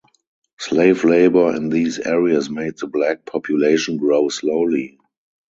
Slave labor in these areas made the black population grow slowly.